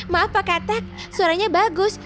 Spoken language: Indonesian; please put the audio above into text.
maaf pak katak suaranya bagus